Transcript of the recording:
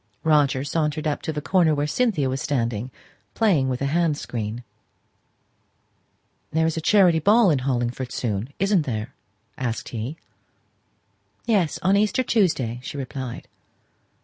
Roger sauntered up to the corner where Cynthia was standing, playing with a hand screen. "There is a charity ball in Hollingford soon, isn't there?" asked he. "Yes; on Easter Tuesday," she replied.